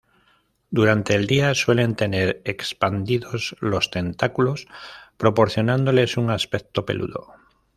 Durante el día suelen tener expandidos los tentáculos, proporcionándoles un aspecto peludo.